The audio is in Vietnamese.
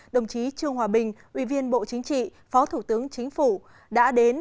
đồng chí trương hòa bình ủy viên bộ chính trị phó thủ tướng chính phủ đã đến